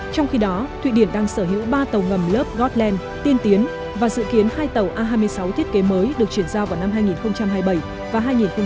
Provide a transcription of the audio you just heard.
trong khi đó thụy điển đang sở hữu ba tàu ngầm lớp gotland tiên tiến và dự kiến hai tàu a hai mươi sáu thiết kế mới được chuyển giao vào năm hai nghìn hai mươi bảy và hai nghìn hai mươi năm